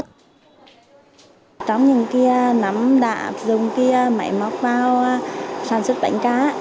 trong những kia nắm đạp dùng kia mạy móc vào sản xuất bánh cà